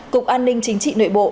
cục an ninh chính trị nội bộ